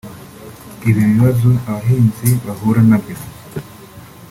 Ibi bibazo abahinzi bahura nabyo